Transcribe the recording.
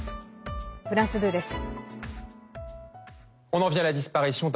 フランス２です。